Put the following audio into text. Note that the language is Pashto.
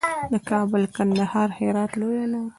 د کابل، کندهار، هرات لویه لار.